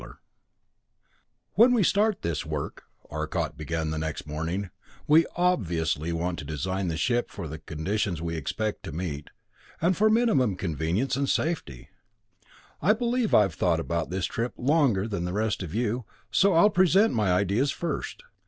II "When we start this work," Arcot began next morning, "we obviously want to design the ship for the conditions we expect to meet, and for maximum convenience and safety. I believe I've thought about this trip longer than the rest of you, so I'll present my ideas first.